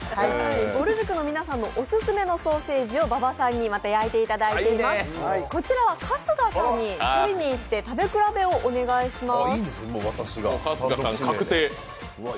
ぼる塾の皆さんのオススメのソーセージを馬場さんに焼いてもらっていますので、こちらは、春日さんに取りに行って食べ比べをお願いします